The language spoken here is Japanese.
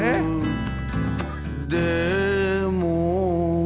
「でも」